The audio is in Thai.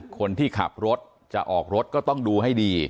คนที่ขับรถจะออกรถก็ต้องดูให้ดี